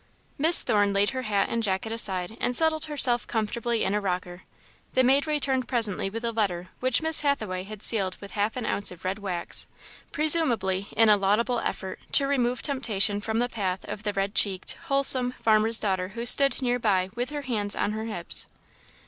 Miss Thorne laid her hat and jacket aside and settled herself comfortably in a rocker. The maid returned presently with a letter which Miss Hathaway had sealed with half an ounce of red wax, presumably in a laudable effort to remove temptation from the path of the red cheeked, wholesome, farmer's daughter who stood near by with her hands on her hips.